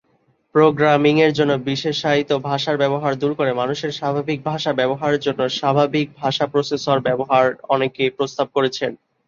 প্রোগ্রামিং-এর জন্য বিশেষায়িত ভাষার ব্যবহার দূর করে মানুষের স্বাভাবিক ভাষা ব্যবহারের জন্য স্বাভাবিক ভাষা প্রসেসরের ব্যবহার অনেকে প্রস্তাব করেছেন।